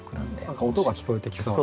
何か音が聞こえてきそうな。